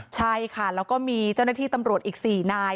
ใช่ค่ะแล้วก็มีเจ้าหน้าที่ตำรวจอีก๔นาย